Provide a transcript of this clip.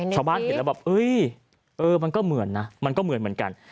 ชาวบ้านเห็นแล้วแบบเอ้ยเออมันก็เหมือนนะมันก็เหมือนกัน